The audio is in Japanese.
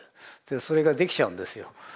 それができちゃうんですよ。